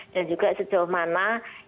dan juga sejauh mana